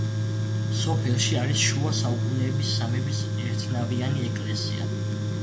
სოფელში არის შუა საუკუნეების სამების ერთნავიანი ეკლესია.